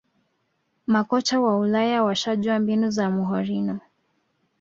makocha wa ulaya washajua mbinu za mourinho